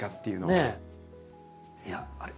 いやあれ？